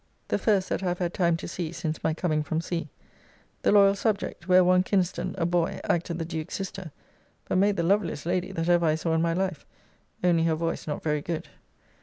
] the first that I have had time to see since my coming from sea, "The Loyall Subject," where one Kinaston, a boy, acted the Duke's sister, but made the loveliest lady that ever I saw in my life, only her voice not very good.